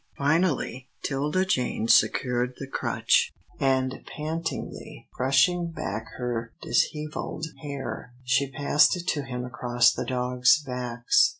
Finally 'Tilda Jane secured the crutch, and, pantingly brushing back her dishevelled hair, she passed it to him across the dogs' backs.